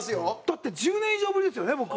だって１０年以上ぶりですよね僕。